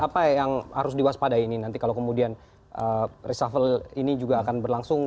apa yang harus diwaspadai ini nanti kalau kemudian reshuffle ini juga akan berlangsung